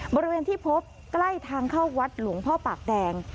บริเวณที่พบใกล้ทางเข้าวัดหลวงพ่อปากแดง